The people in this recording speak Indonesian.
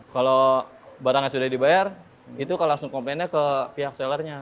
kalau barangnya sudah dibayar itu langsung komplainnya ke pihak sellernya